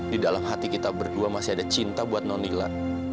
di dalam hati kita berdua masih ada cinta buat nonila